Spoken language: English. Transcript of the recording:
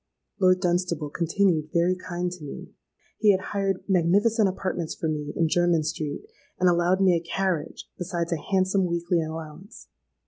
Lord Dunstable continued very kind to me. He had hired magnificent apartments for me in Jermyn Street, and allowed me a carriage, besides a handsome weekly allowance.